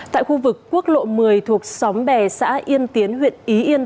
tại khu vực quốc lộ một mươi thuộc xóm bè xã yên tiến huyện ý yên